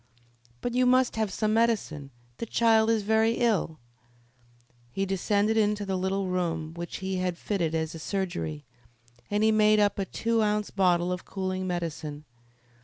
"But you must have some medicine. The child is very ill." He descended into the little room which he had fitted as a surgery, and he made up a two ounce bottle of cooling medicine.